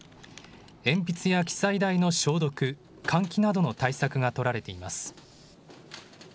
鉛筆や記載台の消毒、換気などの対策が取られています。